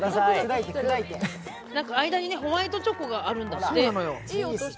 間にホワイトチョコがあるんだって。